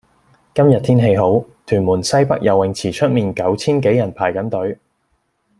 今日天氣好，屯門西北游泳池出面九千幾人排緊隊。